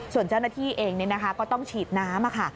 ส่วนเจ้าหน้าที่เองก็ต้องฉีดน้ำ